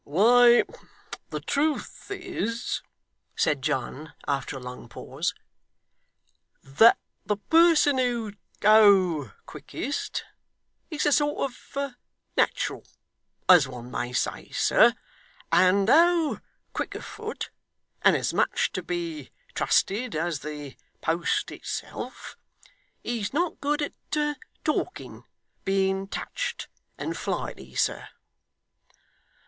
'Why the truth is,' said John after a long pause, 'that the person who'd go quickest, is a sort of natural, as one may say, sir; and though quick of foot, and as much to be trusted as the post itself, he's not good at talking, being touched and flighty, sir.